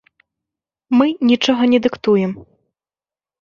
Мы нічога не дыктуем.